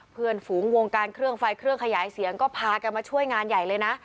เพื่อนฝูงวงการเครื่องไฟเครื่องขยายเสียงก็พากันมาช่วยงานใหญ่เลยนะ